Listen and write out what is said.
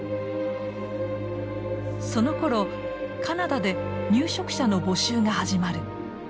そのころカナダで入植者の募集が始まる。